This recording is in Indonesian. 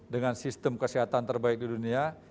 dengan sistem kesehatan terbaik di dunia